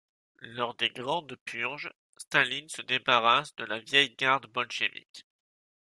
Lors des Grandes Purges, Staline se débarrasse de la vieille garde bolchévique.